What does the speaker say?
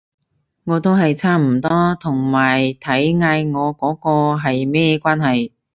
我都係差唔多，同埋睇嗌我嗰個係咩關係